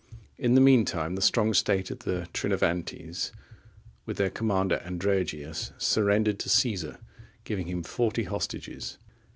In the meantime, the strong state of the Trinovantes,(35) with their commander Androgius,(36) surrendered to Caesar, giving him forty hostages.